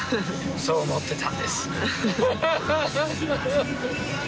そう思ってたんです。